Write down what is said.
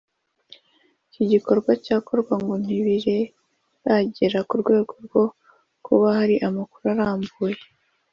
iki gikorwa cyakora ngo ntibiragera ku rwego rwo kuba hari amakuru arambuye